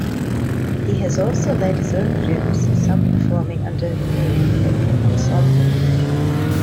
He has also led his own groups, some performing under the name Hip Ensemble.